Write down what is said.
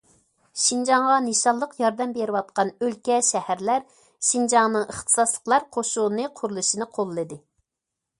شىنجاڭغا نىشانلىق ياردەم بېرىۋاتقان ئۆلكە، شەھەرلەر شىنجاڭنىڭ ئىختىساسلىقلار قوشۇنى قۇرۇلۇشىنى قوللىدى.